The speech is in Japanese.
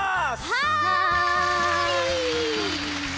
はい！